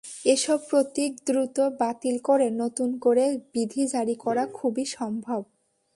এসব প্রতীক দ্রুত বাতিল করে নতুন করে বিধি জারি করা খুবই সম্ভব।